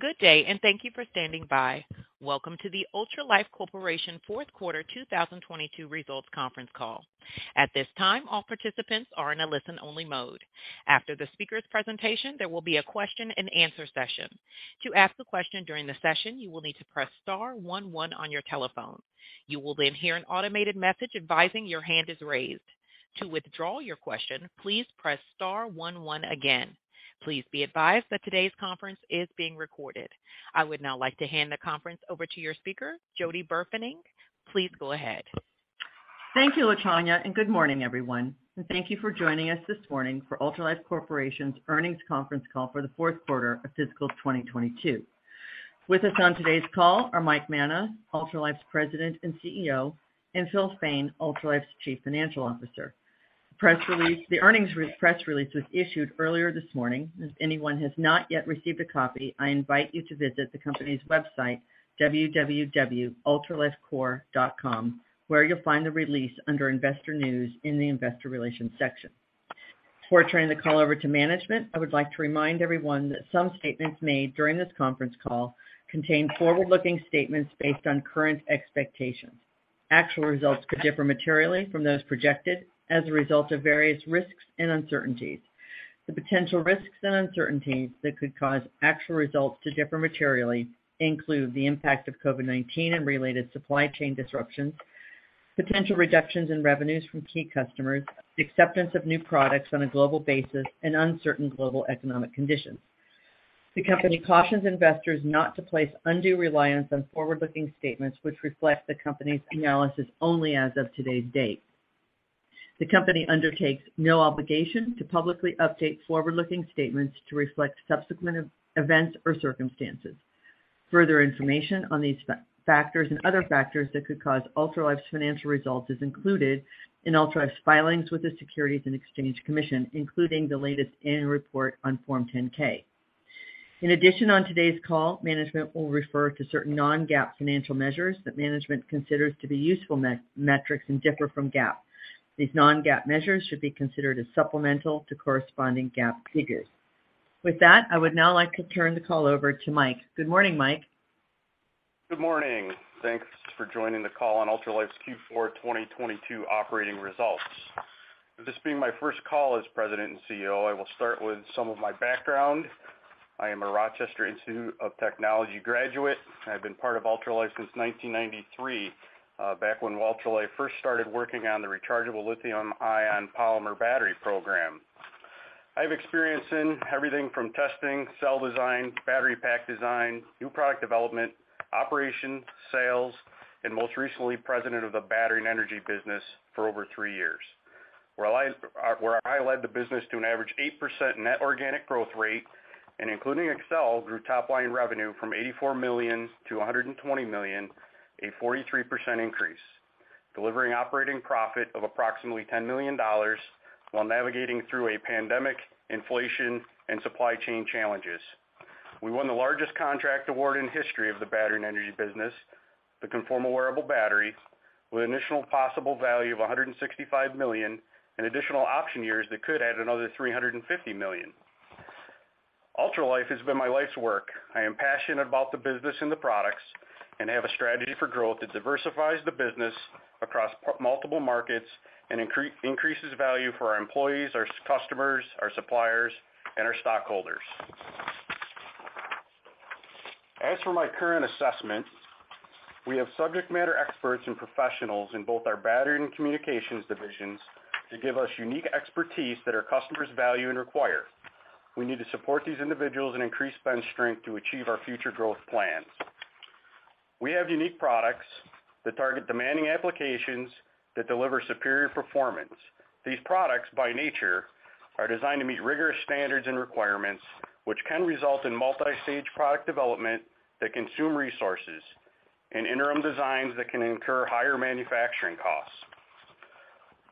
Good day, and thank you for standing by. Welcome to the Ultralife Corporation Fourth Quarter 2022 Results conference call. At this time, all participants are in a listen-only mode. After the speaker's presentation, there will be a question-and-answer session. To ask a question during the session, you will need to press star one one on your telephone. You will then hear an automated message advising your hand is raised. To withdraw your question, please press star one one again. Please be advised that today's conference is being recorded. I would now like to hand the conference over to your speaker, Jody Burfening. Please go ahead. Thank you, Latanya, good morning, everyone. Thank you for joining us this morning for Ultralife Corporation's earnings conference call for the fourth quarter of fiscal 2022. With us on today's call are Mike Manna, Ultralife's President and CEO, and Phil Fain, Ultralife's Chief Financial Officer. The earnings press release was issued earlier this morning. If anyone has not yet received a copy, I invite you to visit the company's website, www.ultralifecorp.com, where you'll find the release under Investor News in the Investor Relations section. Before turning the call over to management, I would like to remind everyone that some statements made during this conference call contain forward-looking statements based on current expectations. Actual results could differ materially from those projected as a result of various risks and uncertainties. The potential risks and uncertainties that could cause actual results to differ materially include the impact of COVID-19 and related supply chain disruptions, potential reductions in revenues from key customers, the acceptance of new products on a global basis, and uncertain global economic conditions. The company cautions investors not to place undue reliance on forward-looking statements, which reflect the company's analysis only as of today's date. The company undertakes no obligation to publicly update forward-looking statements to reflect subsequent events or circumstances. Further information on these factors and other factors that could cause Ultralife's financial results is included in Ultralife's filings with the Securities and Exchange Commission, including the latest annual report on Form 10-K. On today's call, management will refer to certain non-GAAP financial measures that management considers to be useful metrics and differ from GAAP. These non-GAAP measures should be considered as supplemental to corresponding GAAP figures. With that, I would now like to turn the call over to Mike. Good morning, Mike. Good morning. Thanks for joining the call on Ultralife's Q4 2022 operating results. With this being my first call as President and CEO, I will start with some of my background. I am a Rochester Institute of Technology graduate. I've been part of Ultralife since 1993, back when Ultralife first started working on the rechargeable lithium-ion polymer battery program. I have experience in everything from testing, cell design, battery pack design, new product development, operation, sales, and most recently, President of the battery and energy business for over three years, where I led the business to an average 8% net organic growth rate and including Excell, grew top line revenue from $84 million-$120 million, a 43% increase, delivering operating profit of approximately $10 million while navigating through a pandemic, inflation, and supply chain challenges. We won the largest contract award in history of the battery and energy business, the Conformal Wearable Battery, with an initial possible value of $165 million and additional option years that could add another $350 million. Ultralife has been my life's work. I am passionate about the business and the products. I have a strategy for growth that diversifies the business across multiple markets and increases value for our employees, our customers, our suppliers, and our stockholders. As for my current assessment, we have subject matter experts and professionals in both our battery and communications divisions to give us unique expertise that our customers value and require. We need to support these individuals and increase bench strength to achieve our future growth plans. We have unique products that target demanding applications that deliver superior performance. These products, by nature, are designed to meet rigorous standards and requirements, which can result in multi-stage product development that consume resources and interim designs that can incur higher manufacturing costs.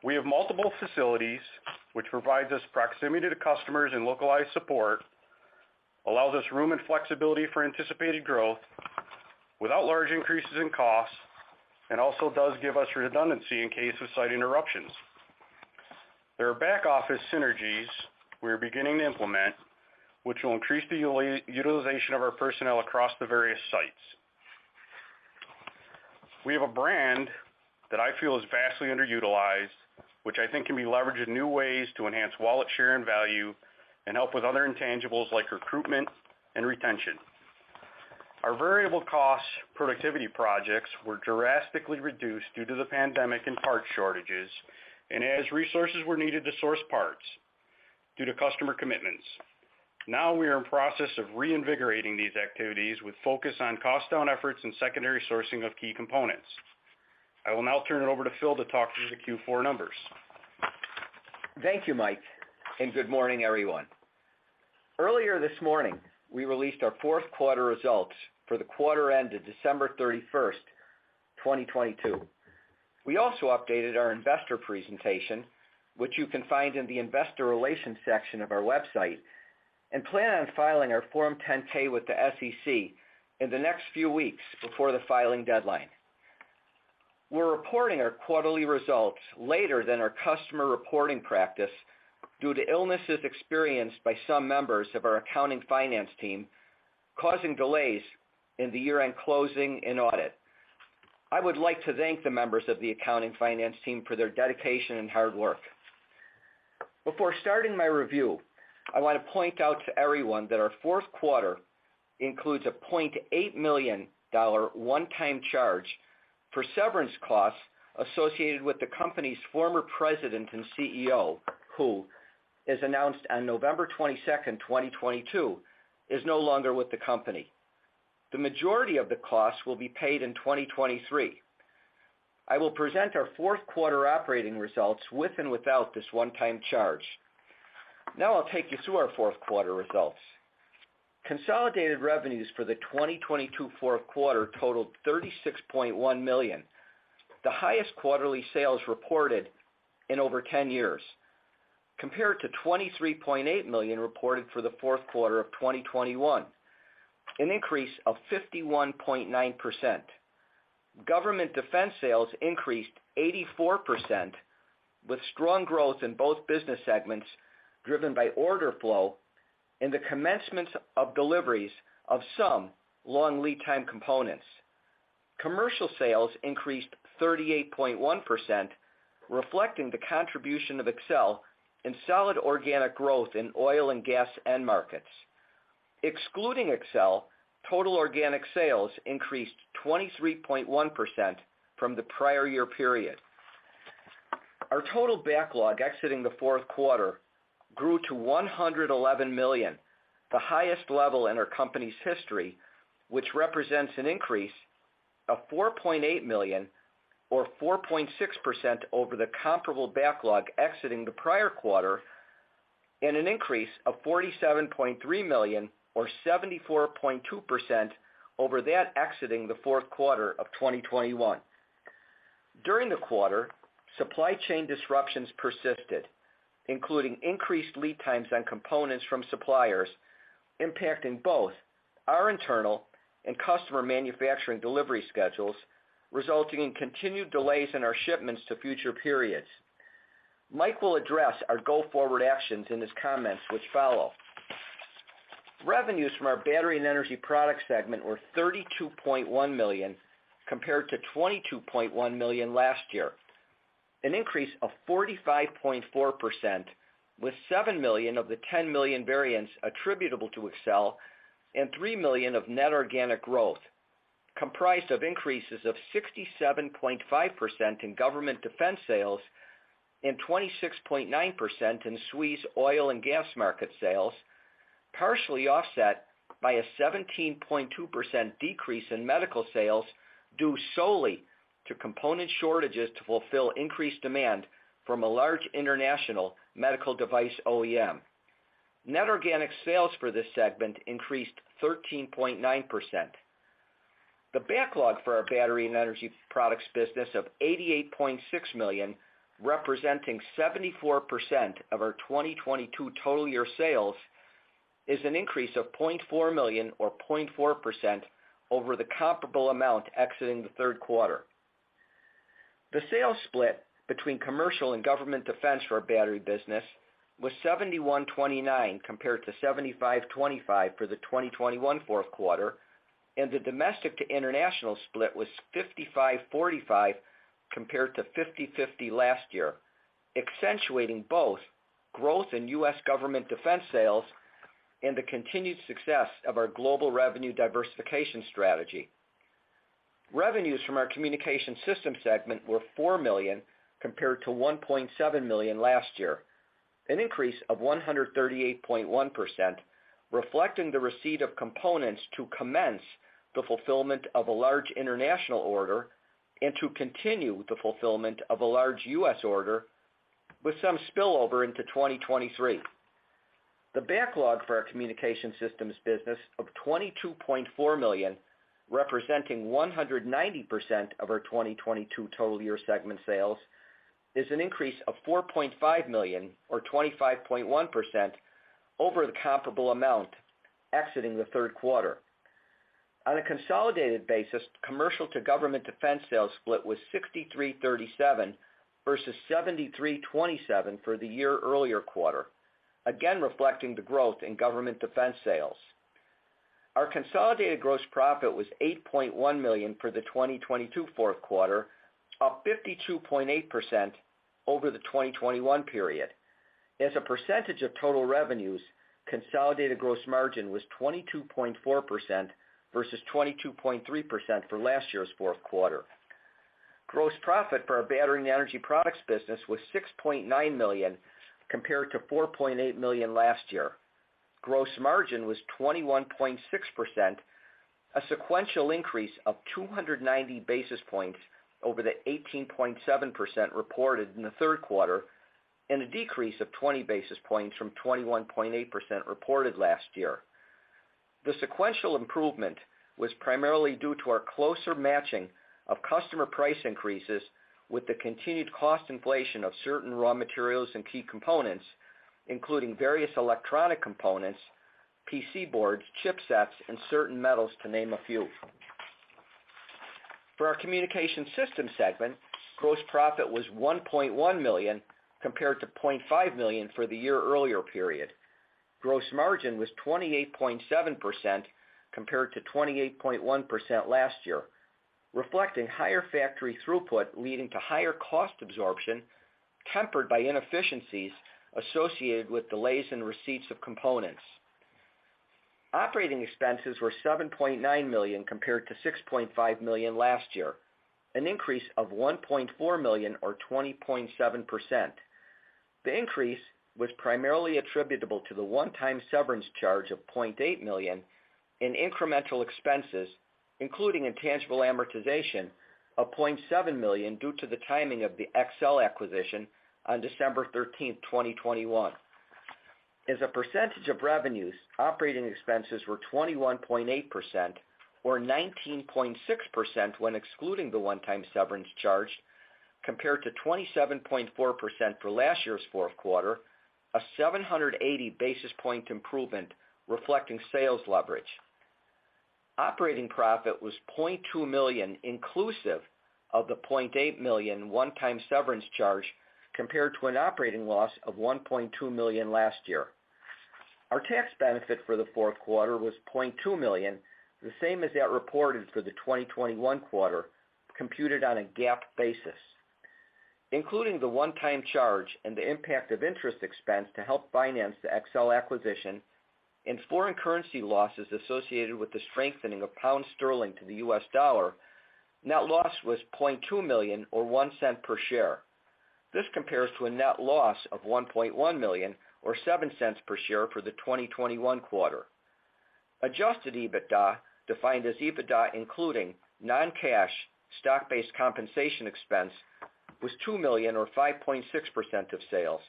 We have multiple facilities which provides us proximity to customers and localized support, allows us room and flexibility for anticipated growth without large increases in costs, also does give us redundancy in case of site interruptions. There are back-office synergies we are beginning to implement, which will increase the utilization of our personnel across the various sites. We have a brand that I feel is vastly underutilized, which I think can be leveraged in new ways to enhance wallet share and value and help with other intangibles like recruitment and retention. Our variable cost productivity projects were drastically reduced due to the pandemic and part shortages and as resources were needed to source parts due to customer commitments. We are in process of reinvigorating these activities with focus on cost down efforts and secondary sourcing of key components. I will now turn it over to Phil to talk through the Q4 numbers. Thank you, Mike. Good morning, everyone. Earlier this morning, we released our fourth quarter results for the quarter end of December 31, 2022. We also updated our investor presentation, which you can find in the Investor Relations section of our website, and plan on filing our Form 10-K with the SEC in the next few weeks before the filing deadline. We're reporting our quarterly results later than our customer reporting practice due to illnesses experienced by some members of our accounting finance team, causing delays in the year-end closing and audit. I would like to thank the members of the accounting finance team for their dedication and hard work. Before starting my review, I wanna point out to everyone that our fourth quarter includes a $0.8 million one-time charge for severance costs associated with the company's former President and CEO, who, as announced on November 22, 2022, is no longer with the company. The majority of the costs will be paid in 2023. I will present our fourth quarter operating results with and without this one-time charge. Now I'll take you through our fourth quarter results. Consolidated revenues for the 2022 fourth quarter totaled $36.1 million, the highest quarterly sales reported in over 10 years, compared to $23.8 million reported for the fourth quarter of 2021, an increase of 51.9%. Government defense sales increased 84%, with strong growth in both business segments, driven by order flow and the commencement of deliveries of some long lead time components. Commercial sales increased 38.1%, reflecting the contribution of Excell and solid organic growth in oil and gas end markets. Excluding Excell, total organic sales increased 23.1% from the prior year period. Our total backlog exiting the fourth quarter grew to $111 million, the highest level in our company's history, which represents an increase of $4.8 million or 4.6% over the comparable backlog exiting the prior quarter and an increase of $47.3 million or 74.2% over that exiting the fourth quarter of 2021. During the quarter, supply chain disruptions persisted, including increased lead times on components from suppliers, impacting both our internal and customer manufacturing delivery schedules, resulting in continued delays in our shipments to future periods. Mike will address our go-forward actions in his comments which follow. Revenues from our Battery and Energy Product segment were $32.1 million compared to $22.1 million last year, an increase of 45.4% with $7 million of the $10 million variants attributable to Excell and $3 million of net organic growth, comprised of increases of 67.5% in government defense sales and 26.9% in SWE's oil and gas market sales, partially offset by a 17.2% decrease in medical sales, due solely to component shortages to fulfill increased demand from a large international medical device OEM. Net organic sales for this segment increased 13.9%. The backlog for our Battery and Energy Products business of $88.6 million, representing 74% of our 2022 total year sales, is an increase of $0.4 million or 0.4% over the comparable amount exiting the third quarter. The sales split between commercial and government defense for our battery business was 71/29 compared to 75/25 for the 2021 fourth quarter, and the domestic to international split was 55/45 compared to 50/50 last year, accentuating both growth in U.S. government defense sales and the continued success of our global revenue diversification strategy. Revenues from our communication system segment were $4 million compared to $1.7 million last year, an increase of 138.1%, reflecting the receipt of components to commence the fulfillment of a large international order and to continue the fulfillment of a large U.S. order with some spillover into 2023. The backlog for our communication systems business of $22.4 million, representing 190% of our 2022 total year segment sales, is an increase of $4.5 million or 25.1% over the comparable amount exiting the third quarter. On a consolidated basis, commercial to government defense sales split was 63/37 versus 73/27 for the year earlier quarter, again reflecting the growth in government defense sales. Our consolidated gross profit was $8.1 million for the 2022 fourth quarter, up 52.8% over the 2021 period. As a percentage of total revenues, consolidated gross margin was 22.4% versus 22.3% for last year's fourth quarter. Gross profit for our Battery and Energy Products business was $6.9 million compared to $4.8 million last year. Gross margin was 21.6%, a sequential increase of 290 basis points over the 18.7% reported in the third quarter and a decrease of 20 basis points from 21.8% reported last year. The sequential improvement was primarily due to our closer matching of customer price increases with the continued cost inflation of certain raw materials and key components, including various electronic components, PC boards, chipsets, and certain metals, to name a few. For our communication system segment, gross profit was $1.1 million compared to $0.5 million for the year-earlier period. Gross margin was 28.7% compared to 28.1% last year, reflecting higher factory throughput, leading to higher cost absorption, tempered by inefficiencies associated with delays in receipts of components. Operating expenses were $7.9 million compared to $6.5 million last year, an increase of $1.4 million or 20.7%. The increase was primarily attributable to the one-time severance charge of $0.8 million in incremental expenses, including intangible amortization of $0.7 million due to the timing of the Excell acquisition on December 13, 2021. As a percentage of revenues, operating expenses were 21.8% or 19.6% when excluding the one-time severance charge, compared to 27.4% for last year's fourth quarter, a 780 basis point improvement reflecting sales leverage. Operating profit was $0.2 million inclusive of the $0.8 million one-time severance charge compared to an operating loss of $1.2 million last year. Our tax benefit for the fourth quarter was $0.2 million, the same as that reported for the 2021 quarter, computed on a GAAP basis. Including the one-time charge and the impact of interest expense to help finance the Excell acquisition and foreign currency losses associated with the strengthening of pound sterling to the US dollar, net loss was $0.2 million or $0.01 per share. This compares to a net loss of $1.1 million or $0.07 per share for the 2021 quarter. Adjusted EBITDA, defined as EBITDA including non-cash stock-based compensation expense, was $2 million or 5.6% of sales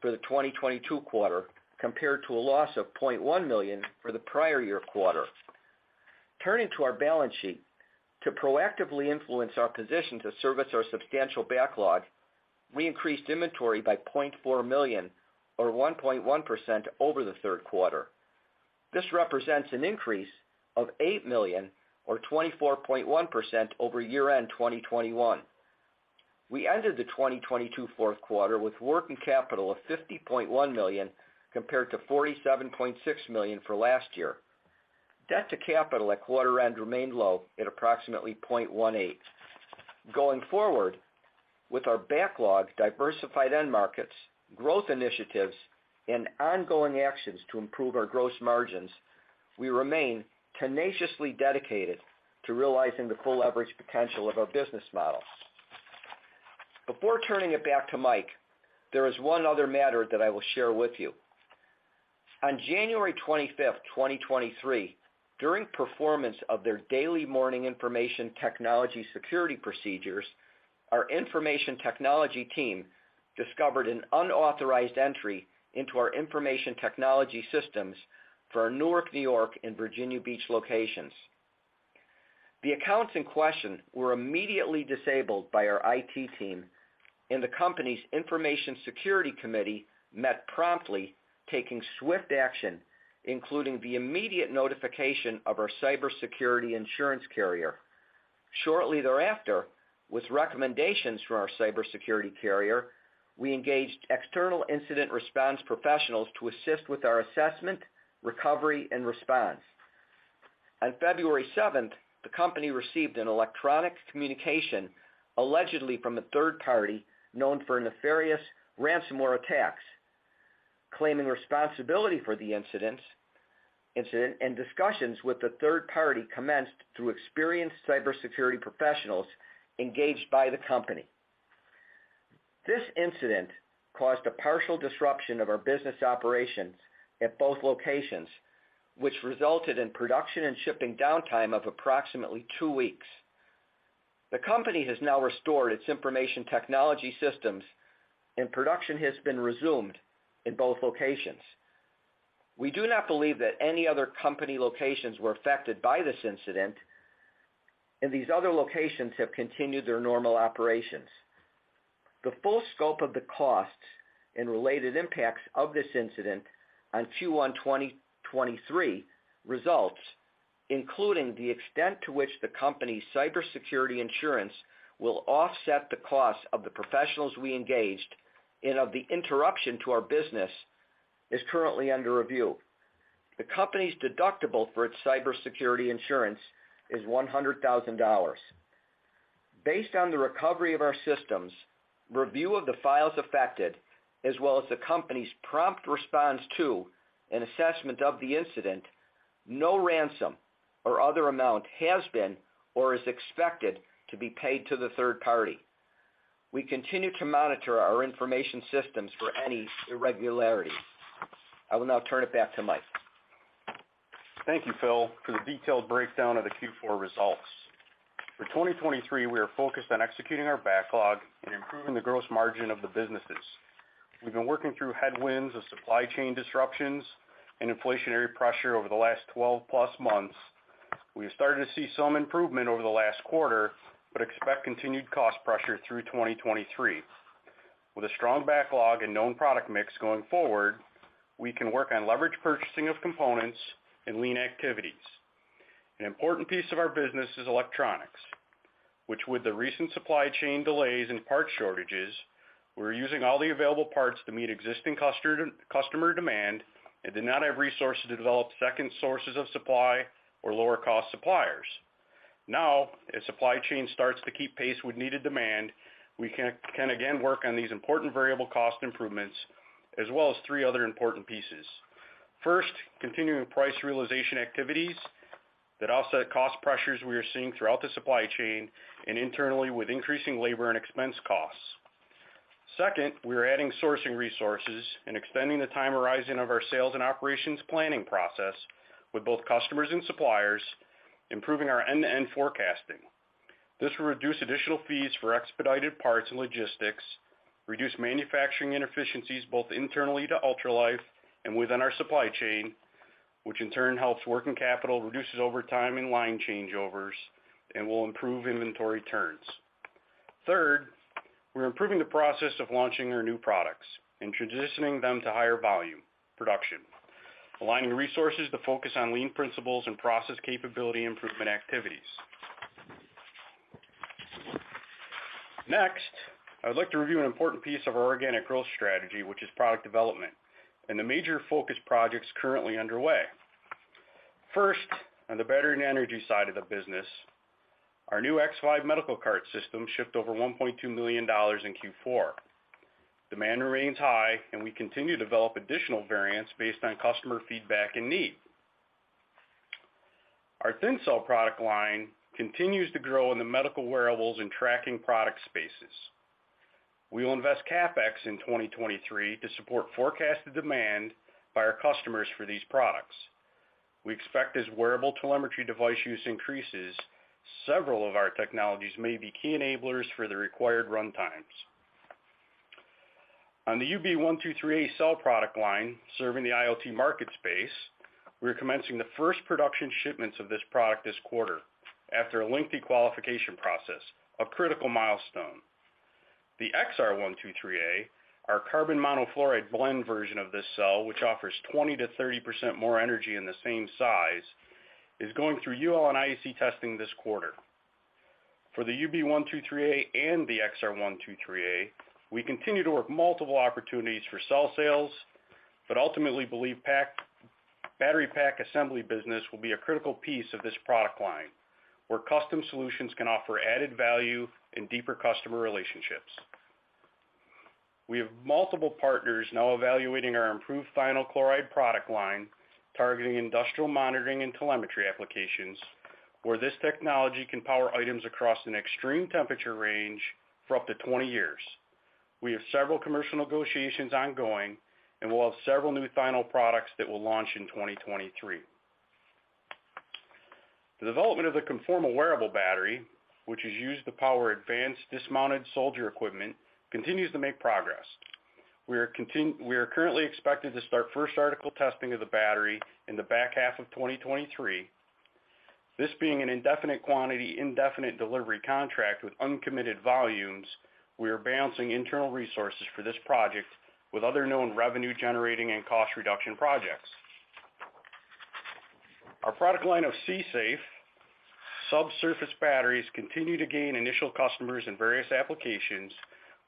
for the 2022 quarter compared to a loss of $0.1 million for the prior year quarter. Turning to our balance sheet. To proactively influence our position to service our substantial backlog, we increased inventory by $0.4 million or 1.1% over the third quarter. This represents an increase of $8 million or 24.1% over year-end 2021. We ended the 2022 fourth quarter with working capital of $50.1 million compared to $47.6 million for last year. Debt to capital at quarter end remained low at approximately 0.18. Going forward, with our backlog, diversified end markets, growth initiatives, and ongoing actions to improve our gross margins, we remain tenaciously dedicated to realizing the full leverage potential of our business model. Before turning it back to Mike, there is one other matter that I will share with you. On January 25th, 2023, during performance of their daily morning information technology security procedures, our information technology team discovered an unauthorized entry into our information technology systems for our Newark, New York, and Virginia Beach locations. The accounts in question were immediately disabled by our IT team, and the company's information security committee met promptly, taking swift action, including the immediate notification of our cybersecurity insurance carrier. Shortly thereafter, with recommendations from our cybersecurity carrier, we engaged external incident response professionals to assist with our assessment, recovery, and response. On February 7th, the company received an electronic communication allegedly from a third party known for nefarious ransomware attacks, claiming responsibility for the incident, and discussions with the third party commenced through experienced cybersecurity professionals engaged by the company. This incident caused a partial disruption of our business operations at both locations, which resulted in production and shipping downtime of approximately two weeks. The company has now restored its information technology systems, and production has been resumed in both locations. We do not believe that any other company locations were affected by this incident. These other locations have continued their normal operations. The full scope of the costs and related impacts of this incident on Q1 2023 results, including the extent to which the company's cybersecurity insurance will offset the cost of the professionals we engaged and of the interruption to our business, is currently under review. The company's deductible for its cybersecurity insurance is $100,000. Based on the recovery of our systems, review of the files affected, as well as the company's prompt response to an assessment of the incident, no ransom or other amount has been or is expected to be paid to the third party. We continue to monitor our information systems for any irregularities. I will now turn it back to Mike. Thank you, Phil, for the detailed breakdown of the Q4 results. For 2023, we are focused on executing our backlog and improving the gross margin of the businesses. We've been working through headwinds of supply chain disruptions and inflationary pressure over the last 12+ months. We have started to see some improvement over the last quarter, but expect continued cost pressure through 2023. With a strong backlog and known product mix going forward, we can work on leverage purchasing of components and lean activities. An important piece of our business is electronics, which with the recent supply chain delays and part shortages, we're using all the available parts to meet existing customer demand and did not have resources to develop second sources of supply or lower cost suppliers. Now, as supply chain starts to keep pace with needed demand, we can again work on these important variable cost improvements as well as three other important pieces. First, continuing price realization activities that offset cost pressures we are seeing throughout the supply chain and internally with increasing labor and expense costs. Second, we are adding sourcing resources and extending the time horizon of our sales and operations planning process with both customers and suppliers, improving our end-to-end forecasting. This will reduce additional fees for expedited parts and logistics, reduce manufacturing inefficiencies both internally to Ultralife and within our supply chain, which in turn helps working capital, reduces overtime and line changeovers, and will improve inventory turns. Third, we're improving the process of launching our new products and transitioning them to higher volume production, aligning resources to focus on lean principles and process capability improvement activities. I would like to review an important piece of our organic growth strategy, which is product development, and the major focus projects currently underway. On the battery and energy side of the business, our new X5 medical cart system shipped over $1.2 million in Q4. Demand remains high, we continue to develop additional variants based on customer feedback and need. Our Thin Cell product line continues to grow in the medical wearables and tracking product spaces. We will invest CapEx in 2023 to support forecasted demand by our customers for these products. We expect as wearable telemetry device use increases, several of our technologies may be key enablers for the required runtimes. On the UB123A cell product line, serving the IoT market space, we are commencing the first production shipments of this product this quarter after a lengthy qualification process, a critical milestone. The XR123A, our carbon monofluoride blend version of this cell, which offers 20%-30% more energy in the same size, is going through UL and IEC testing this quarter. For the UB123A and the XR123A, we continue to work multiple opportunities for cell sales, but ultimately believe battery pack assembly business will be a critical piece of this product line, where custom solutions can offer added value and deeper customer relationships. We have multiple partners now evaluating our improved Thionyl Chloride product line, targeting industrial monitoring and telemetry applications, where this technology can power items across an extreme temperature range for up to 20 years. We have several commercial negotiations ongoing and will have several new Thionyl products that will launch in 2023. The development of the Conformal Wearable Battery, which is used to power advanced dismounted soldier equipment, continues to make progress. We are currently expected to start first article testing of the battery in the back half of 2023. This being an indefinite quantity, indefinite delivery contract with uncommitted volumes, we are balancing internal resources for this project with other known revenue-generating and cost reduction projects. Our product line of SeaSafe subsurface batteries continue to gain initial customers in various applications,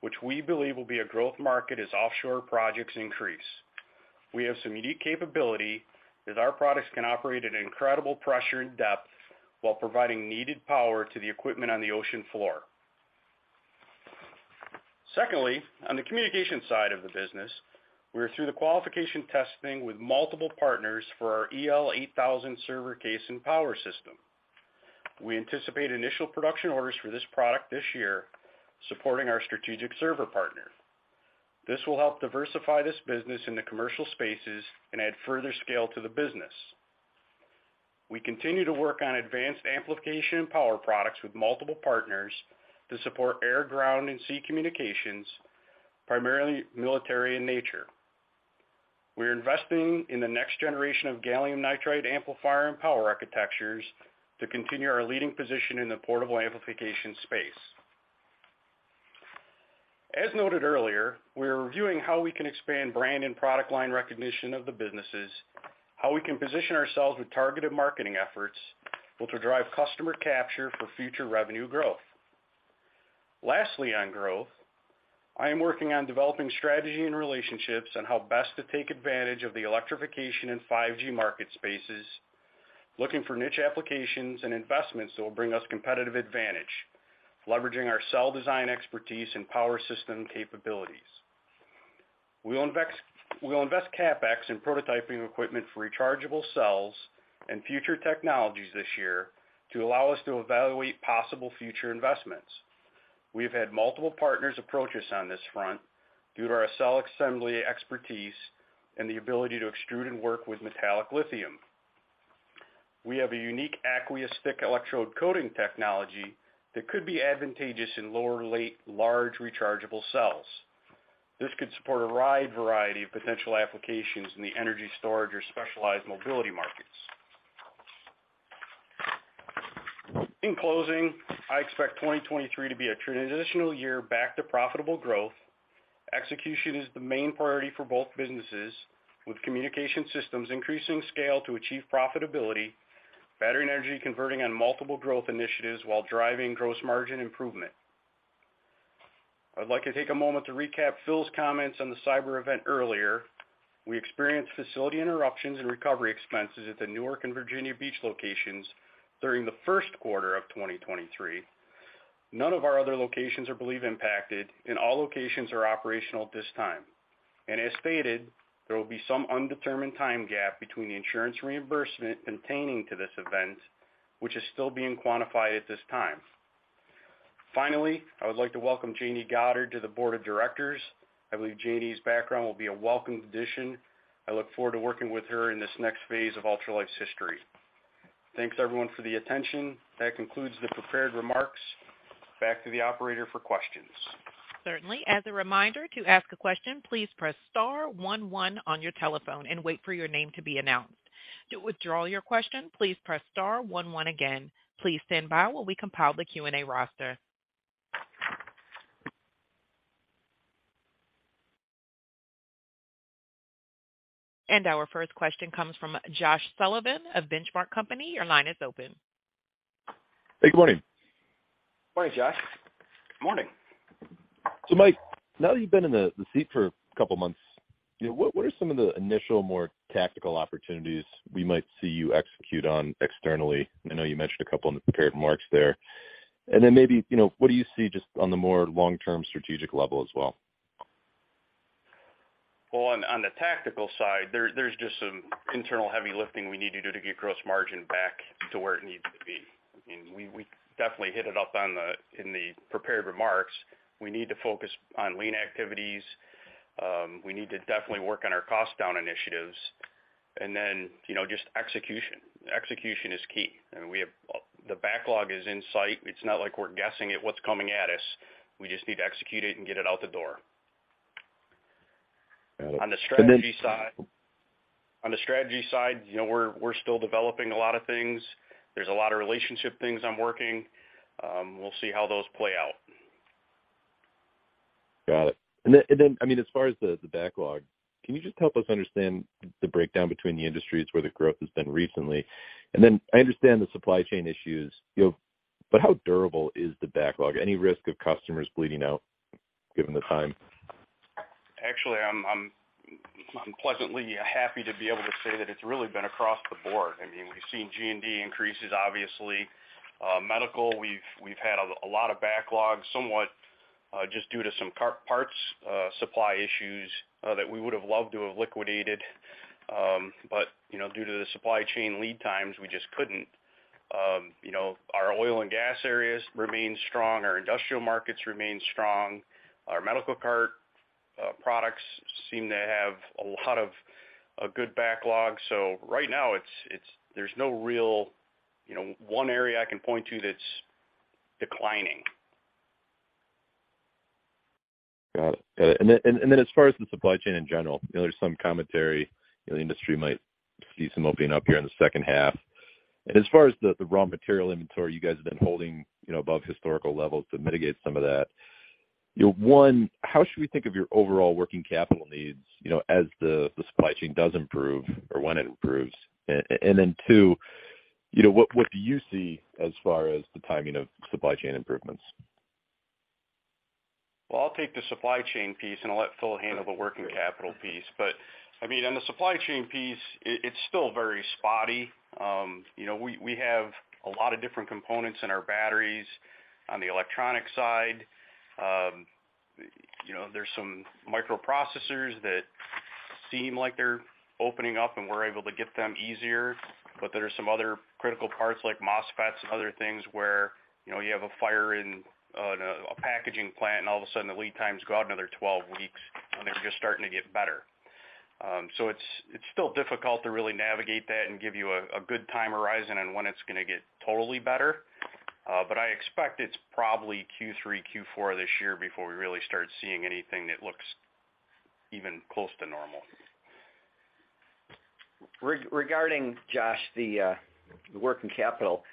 which we believe will be a growth market as offshore projects increase. We have some unique capability as our products can operate at an incredible pressure and depth while providing needed power to the equipment on the ocean floor. Secondly, on the communication side of the business, we are through the qualification testing with multiple partners for our EL8000 server case and power system. We anticipate initial production orders for this product this year, supporting our strategic server partner. This will help diversify this business in the commercial spaces and add further scale to the business. We continue to work on advanced amplification and power products with multiple partners to support air, ground, and sea communications, primarily military in nature. We are investing in the next generation of gallium nitride amplifier and power architectures to continue our leading position in the portable amplification space. As noted earlier, we are reviewing how we can expand brand and product line recognition of the businesses, how we can position ourselves with targeted marketing efforts, which will drive customer capture for future revenue growth. Lastly, on growth, I am working on developing strategy and relationships on how best to take advantage of the electrification and 5G market spaces, looking for niche applications and investments that will bring us competitive advantage, leveraging our cell design expertise and power system capabilities. We will invest CapEx in prototyping equipment for rechargeable cells and future technologies this year to allow us to evaluate possible future investments. We have had multiple partners approach us on this front due to our cell assembly expertise and the ability to extrude and work with metallic lithium. We have a unique aqueous thick electrode coating technology that could be advantageous in large rechargeable cells. This could support a wide variety of potential applications in the energy storage or specialized mobility markets. In closing, I expect 2023 to be a transitional year back to profitable growth. Execution is the main priority for both businesses, with communication systems increasing scale to achieve profitability, battery and energy converting on multiple growth initiatives while driving gross margin improvement. I'd like to take a moment to recap Phil's comments on the cyber event earlier. We experienced facility interruptions and recovery expenses at the Newark and Virginia Beach locations during the first quarter of 2023. None of our other locations are believed impacted, and all locations are operational at this time. As stated, there will be some undetermined time gap between the insurance reimbursement pertaining to this event, which is still being quantified at this time. Finally, I would like to welcome Janie Goddard to the board of directors. I believe Janie's background will be a welcomed addition. I look forward to working with her in this next phase of Ultralife's history. Thanks, everyone, for the attention. That concludes the prepared remarks. Back to the operator for questions. Certainly. As a reminder, to ask a question, please press star one one on your telephone and wait for your name to be announced. To withdraw your question, please press star one one again. Please stand by while we compile the Q&A roster. Our first question comes from Josh Sullivan of The Benchmark Company. Your line is open. Hey, good morning. Morning, Josh. Morning. Mike, now that you've been in the seat for a couple of months, you know, what are some of the initial, more tactical opportunities we might see you execute on externally? I know you mentioned a couple in the prepared remarks there. Maybe, you know, what do you see just on the more long-term strategic level as well? Well, on the tactical side, there's just some internal heavy lifting we need to do to get gross margin back to where it needs to be. I mean, we definitely hit it up in the prepared remarks. We need to focus on lean activities. We need to definitely work on our cost down initiatives. Then, you know, just execution. Execution is key. The backlog is in sight. It's not like we're guessing at what's coming at us. We just need to execute it and get it out the door. Got it. On the strategy side, you know, we're still developing a lot of things. There's a lot of relationship things I'm working. We'll see how those play out. Got it. I mean, as far as the backlog, can you just help us understand the breakdown between the industries where the growth has been recently? I understand the supply chain issues, you know, but how durable is the backlog? Any risk of customers bleeding out given the time? Actually, I'm pleasantly happy to be able to say that it's really been across the board. I mean, we've seen G&A increases, obviously. Medical, we've had a lot of backlog, somewhat just due to some parts supply issues that we would have loved to have liquidated. You know, due to the supply chain lead times, we just couldn't. You know, our oil and gas areas remain strong. Our industrial markets remain strong. Our medical cart products seem to have a lot of a good backlog. Right now it's there's no real, you know, one area I can point to that's declining. Got it. Got it. As far as the supply chain in general, you know, there's some commentary the industry might see some opening up here in the second half. As far as the raw material inventory you guys have been holding, you know, above historical levels to mitigate some of that, you know, one, how should we think of your overall working capital needs, you know, as the supply chain does improve or when it improves? Two, you know, what do you see as far as the timing of supply chain improvements? I'll take the supply chain piece, and I'll let Phil handle the working capital piece. I mean, on the supply chain piece, it's still very spotty. You know, we have a lot of different components in our batteries on the electronic side. You know, there's some microprocessors that seem like they're opening up, and we're able to get them easier. There are some other critical parts like MOSFETs and other things where, you know, you have a fire in a packaging plant, and all of a sudden the lead times go another 12 weeks, and they were just starting to get better. It's still difficult to really navigate that and give you a good time horizon on when it's gonna get totally better. I expect it's probably Q3, Q4 this year before we really start seeing anything that looks even close to normal. Regarding, Josh, the working capital,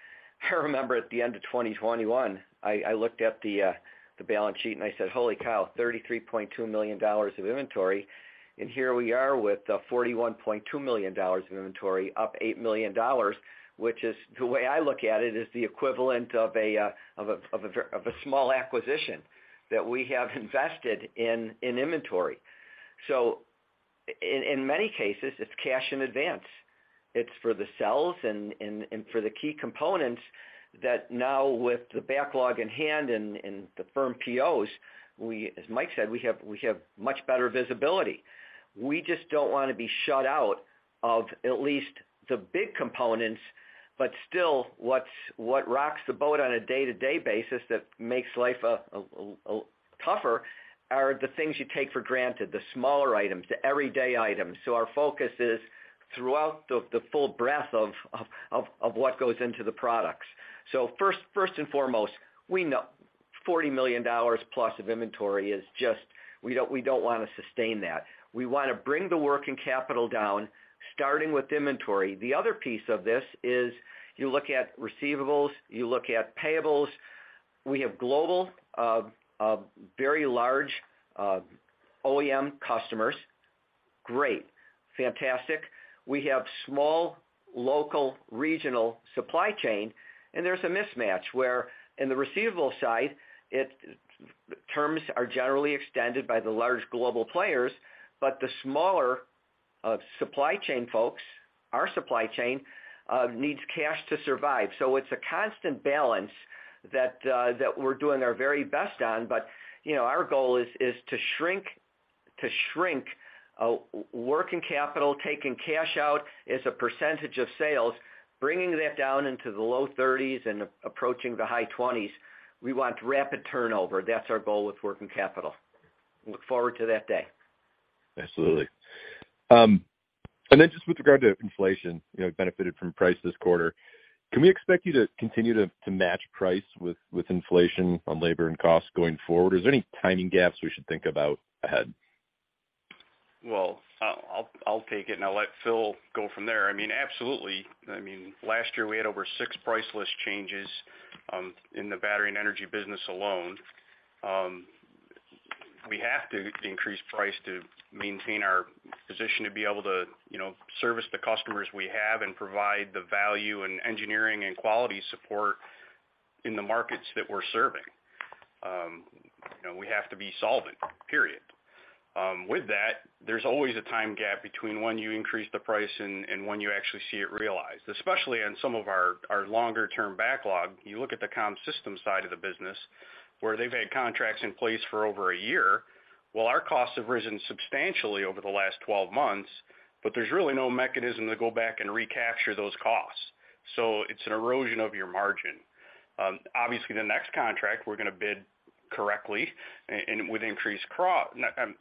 I remember at the end of 2021, I looked at the balance sheet and I said, "Holy cow, $33.2 million of inventory." Here we are with $41.2 million of inventory, up $8 million, which is, the way I look at it, is the equivalent of a small acquisition that we have invested in inventory. In many cases, it's cash in advance. It's for the cells and for the key components that now with the backlog in hand and the firm POs, we, as Mike said, we have much better visibility. We just don't wanna be shut out of at least the big components. Still, what rocks the boat on a day-to-day basis that makes life a tougher are the things you take for granted, the smaller items, the everyday items. Our focus is throughout the full breadth of what goes into the products. First and foremost, we know $40 million plus of inventory is just we don't wanna sustain that. We wanna bring the working capital down, starting with inventory. The other piece of this is you look at receivables, you look at payables. We have global, very large OEM customers. Great, fantastic. We have small, local, regional supply chain, and there's a mismatch where in the receivable side, terms are generally extended by the large global players, but the smaller supply chain folks, our supply chain needs cash to survive. it's a constant balance that we're doing our very best on. you know, our goal is to shrink working capital, taking cash out as a percentage of sales, bringing that down into the low thirties and approaching the high 20s. We want rapid turnover. That's our goal with working capital. Look forward to that day. Absolutely. Just with regard to inflation, you know, benefited from price this quarter, can we expect you to continue to match price with inflation on labor and costs going forward? Or is there any timing gaps we should think about ahead? Well, I'll take it, and I'll let Phil go from there. I mean, absolutely. I mean, last year we had over six price list changes, in the battery and energy business alone. We have to increase price to maintain our position, to be able to, you know, service the customers we have and provide the value and engineering and quality support in the markets that we're serving. You know, we have to be solvent, period. With that, there's always a time gap between when you increase the price and when you actually see it realized, especially on some of our longer term backlog. You look at the comm systems side of the business, where they've had contracts in place for over a year, while our costs have risen substantially over the last 12 months. There's really no mechanism to go back and recapture those costs. It's an erosion of your margin. Obviously, the next contract we're gonna bid correctly and with increased costs.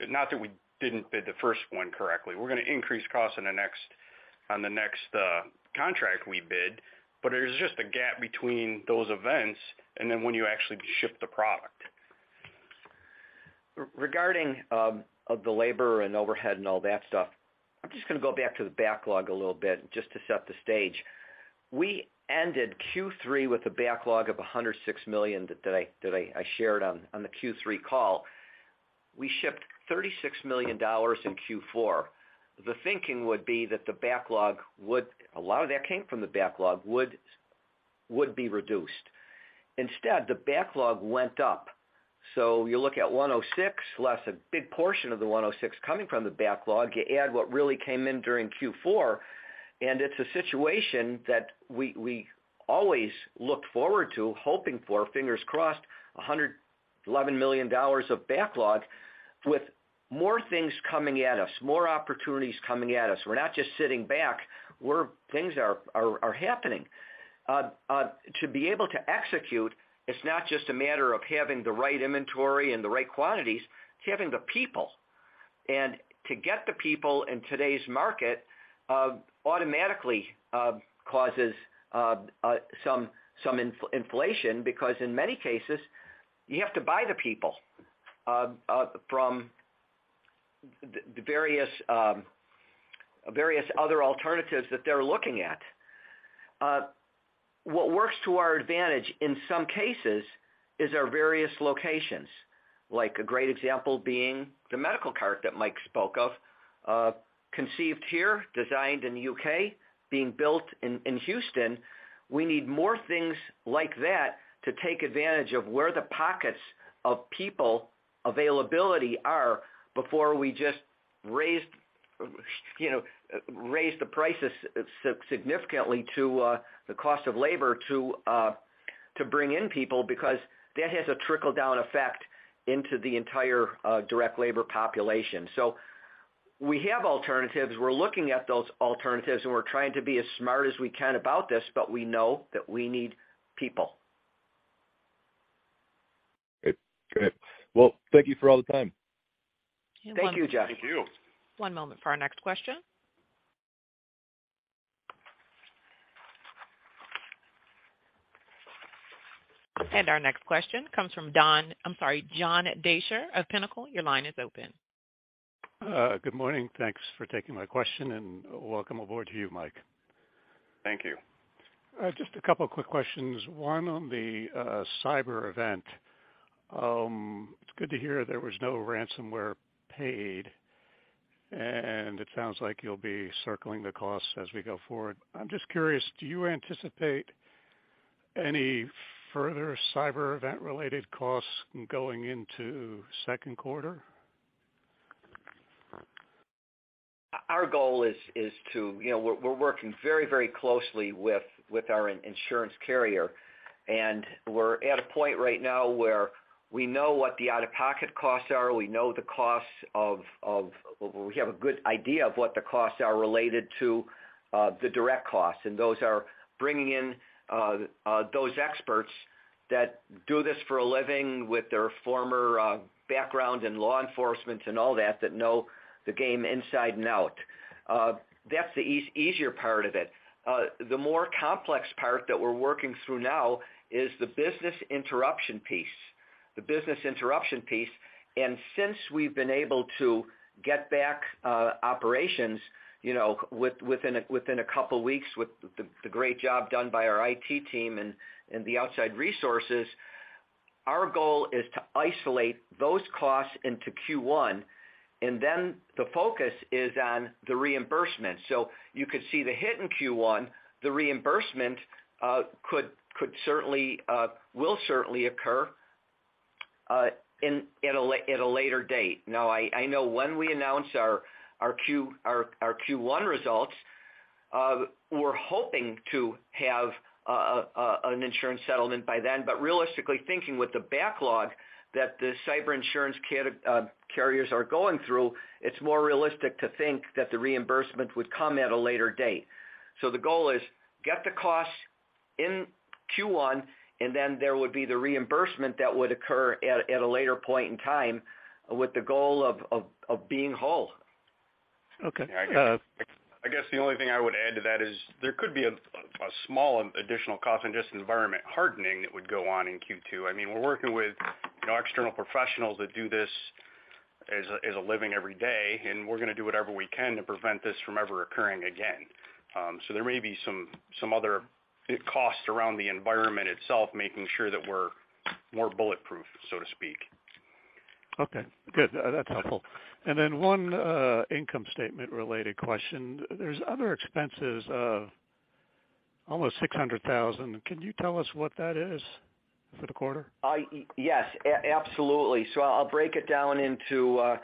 Not that we didn't bid the first one correctly. We're gonna increase costs on the next contract we bid. There's just a gap between those events and then when you actually ship the product. Regarding the labor and overhead and all that stuff, I'm just gonna go back to the backlog a little bit just to set the stage. We ended Q3 with a backlog of $106 million that I shared on the Q3 call. We shipped $36 million in Q4. The thinking would be that the backlog a lot of that came from the backlog, would be reduced. Instead, the backlog went up. You look at 106, less a big portion of the 106 coming from the backlog. You add what really came in during Q4, and it's a situation that we always look forward to hoping for, fingers crossed, $111 million of backlog with more things coming at us, more opportunities coming at us. We're not just sitting back. Things are happening. To be able to execute, it's not just a matter of having the right inventory and the right quantities, it's having the people. To get the people in today's market, automatically causes some in-inflation, because in many cases, you have to buy the people from the various other alternatives that they're looking at. What works to our advantage in some cases is our various locations. Like a great example being the medical cart that Mike spoke of, conceived here, designed in the U.K., being built in Houston. We need more things like that to take advantage of where the pockets of people availability are before we just raise, you know, raise the prices significantly to the cost of labor to bring in people, because that has a trickle-down effect into the entire direct labor population. We have alternatives. We're looking at those alternatives, and we're trying to be as smart as we can about this. We know that we need people. Great. Well, thank you for all the time. Thank you, Jeff. Thank you. One moment for our next question. Our next question comes from Don, I'm sorry, John Deysher of Pinnacle. Your line is open. Good morning. Thanks for taking my question, and welcome aboard to you, Mike. Thank you. Just a couple quick questions. One on the cyber event. It's good to hear there was no ransomware paid, and it sounds like you'll be circling the costs as we go forward. I'm just curious, do you anticipate any further cyber event-related costs going into second quarter? Our goal is to... You know, we're working very, very closely with our in-insurance carrier. We're at a point right now where we know what the out-of-pocket costs are, we know the costs of... We have a good idea of what the costs are related to the direct costs, and those are bringing in those experts that do this for a living with their former background in law enforcement and all that know the game inside and out. That's the easier part of it. The more complex part that we're working through now is the business interruption piece. The business interruption piece. Since we've been able to get back, operations, you know, within a couple weeks with the great job done by our IT team and the outside resources, our goal is to isolate those costs into Q1, and then the focus is on the reimbursement. You could see the hit in Q1, the reimbursement could certainly occur at a later date. I know when we announce our Q1 results, we're hoping to have an insurance settlement by then. Realistically thinking with the backlog that the cyber insurance carriers are going through, it's more realistic to think that the reimbursement would come at a later date. The goal is get the costs in Q1, and then there would be the reimbursement that would occur at a later point in time with the goal of being whole. Okay. I guess the only thing I would add to that is there could be a small additional cost in this environment hardening that would go on in Q2. I mean, we're working with, you know, external professionals that do this as a, as a living every day, and we're gonna do whatever we can to prevent this from ever occurring again. There may be some other costs around the environment itself, making sure that we're more bulletproof, so to speak. Okay, good. That's helpful. Then one income statement related question. There's other expenses of almost $600,000. Can you tell us what that is for the quarter? Yes, absolutely. I'll break it down into a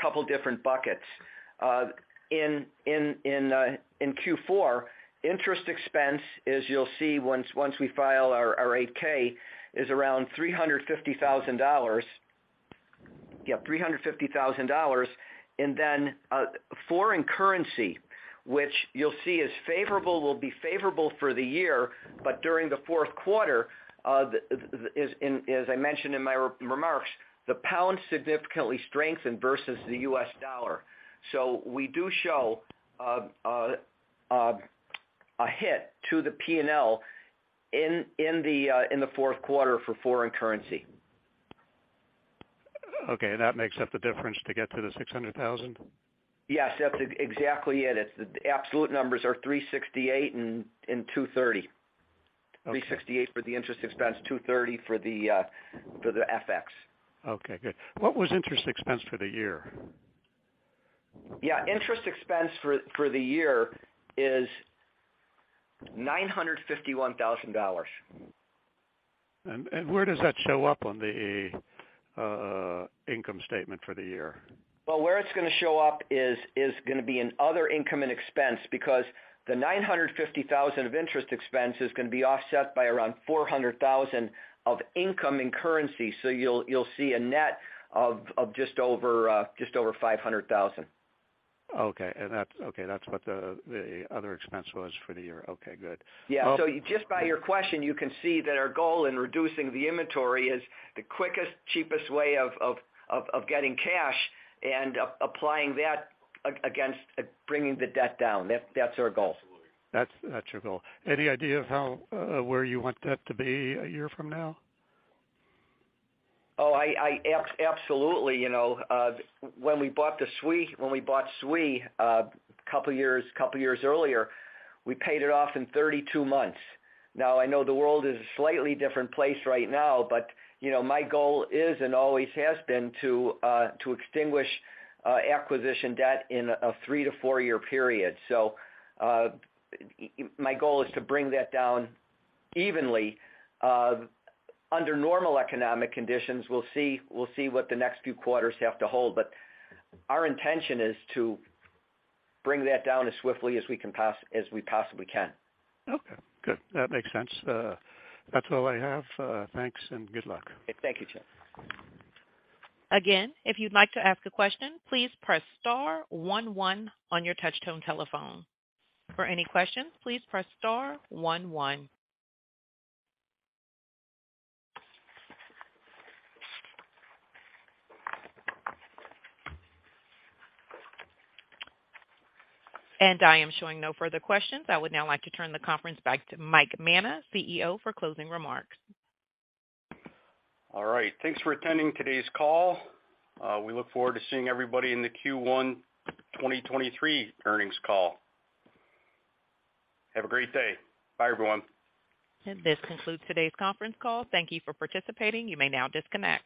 couple different buckets. In Q4, interest expense, as you'll see once we file our 8-K, is around $350,000. Yeah, $350,000. Foreign currency, which you'll see is favorable, will be favorable for the year, but during the fourth quarter, as I mentioned in my remarks, the pound significantly strengthened versus the US dollar. We do show a hit to the P&L in the fourth quarter for foreign currency. Okay, that makes up the difference to get to the $600,000? Yes, that's exactly it. It's the absolute numbers are $368 and $230. $368 for the interest expense, $230 for the FX. Okay, good. What was interest expense for the year? Yeah, interest expense for the year is $951,000. Where does that show up on the income statement for the year? Where it's gonna show up is gonna be in other income and expense, because the $950,000 of interest expense is gonna be offset by around $400,000 of income and currency. You'll see a net of just over $500,000. Okay. Okay, that's what the other expense was for the year. Okay, good. Yeah. Just by your question, you can see that our goal in reducing the inventory is the quickest, cheapest way of getting cash and applying that against bringing the debt down. That's our goal. Absolutely. That's your goal. Any idea of how, where you want that to be a year from now? Oh, I absolutely. You know, when we bought SWE a couple years earlier, we paid it off in 32 months. Now, I know the world is a slightly different place right now, but, you know, my goal is and always has been to extinguish acquisition debt in a three to four year period. My goal is to bring that down evenly. Under normal economic conditions, we'll see what the next few quarters have to hold, but our intention is to bring that down as swiftly as we possibly can. Okay, good. That makes sense. That's all I have. Thanks and good luck. Thank you, John. Again, if you'd like to ask a question, please press star one one on your touch tone telephone. For any questions, please press star one one. I am showing no further questions. I would now like to turn the conference back to Mike Manna, CEO, for closing remarks. All right. Thanks for attending today's call. We look forward to seeing everybody in the Q1 2023 earnings call. Have a great day. Bye everyone. This concludes today's conference call. Thank you for participating. You may now disconnect.